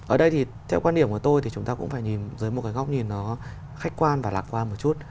ở đây thì theo quan điểm của tôi thì chúng ta cũng phải nhìn dưới một cái góc nhìn nó khách quan và lạc quan một chút